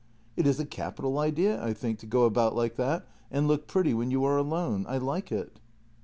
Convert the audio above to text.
" It is a capital idea, I think, to go about like that and look pretty when you are alone. I like it."